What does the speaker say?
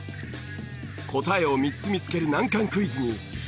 答えを３つ見つける難関クイズに。